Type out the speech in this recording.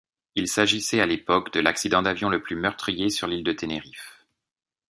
Il s'agissait à l'époque de l'accident d'avion le plus meurtrier sur l'île de Tenerife.